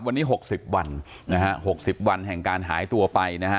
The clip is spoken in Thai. วันนี้๖๐วันนะฮะ๖๐วันแห่งการหายตัวไปนะฮะ